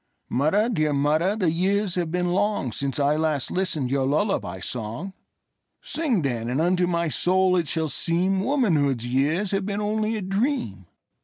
Mother, dear mother, the years have been longSince I last listened your lullaby song:Sing, then, and unto my soul it shall seemWomanhood's years have been only a dream.